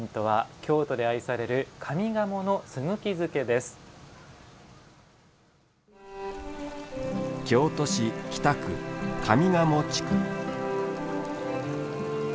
京都市北区上賀茂地区。